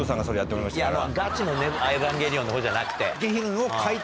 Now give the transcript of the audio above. ガチの『エヴァンゲリオン』のほうじゃなくて。